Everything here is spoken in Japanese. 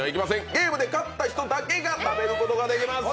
ゲームで勝った人だけが食べることができます